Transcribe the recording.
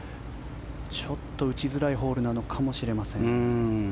ちょっと打ちづらいホールなのかもしれません。